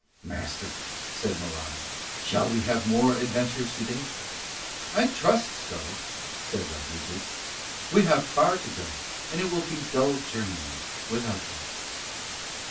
"Master," said Morano, "shall we have more adventures to day?" "I trust so," said Rodriguez. "We have far to go, and it will be dull journeying without them."